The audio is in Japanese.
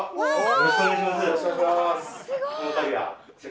よろしくお願いします。